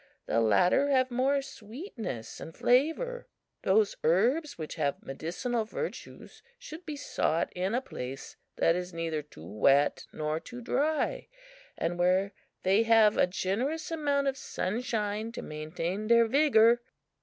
The latter have more sweetness and flavor. Those herbs which have medicinal virtues should be sought in a place that is neither too wet nor too dry, and where they have a generous amount of sunshine to maintain their vigor.